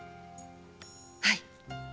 はい！